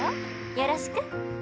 よろしく。